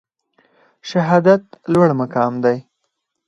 شهادت لوړ مقام دی